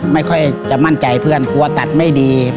ไม่ค่อยจะมั่นใจเพื่อนกลัวตัดไม่ดี